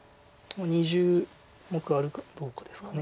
２０目あるかどうかですか。